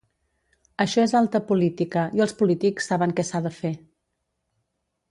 Això és alta política i els polítics saben què s’ha de fer.